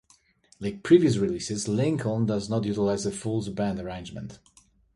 Like previous releases, "Lincoln" does not utilize a full band arrangement.